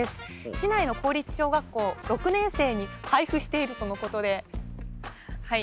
市内の公立小学校６年生に配布しているとのことではい